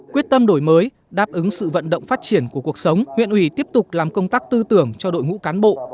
quyết tâm đổi mới đáp ứng sự vận động phát triển của cuộc sống huyện ủy tiếp tục làm công tác tư tưởng cho đội ngũ cán bộ